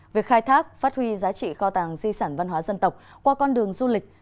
việc khai thác phát huy giá trị kho tàng di sản văn hóa dân tộc qua con đường du lịch